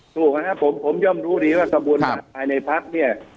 ถูกนะครับผมผมย่อมรู้ดีว่าสมบูรณ์ภายในภักดิ์เนี่ย